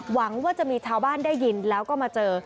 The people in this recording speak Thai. หวังว่าจะมีชาวบ้านได้ยินแล้วก็มาเจอ